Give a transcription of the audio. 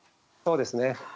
そうですね。